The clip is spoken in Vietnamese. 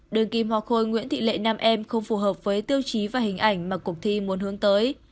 đường kim hoa khôi nguyễn thị lệ nam em không phù hợp với tiêu chí và hình ảnh mà cuộc thi muốn hướng tới